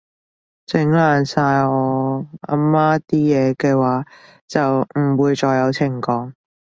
整爛晒我阿媽啲嘢嘅話，就唔會再有情講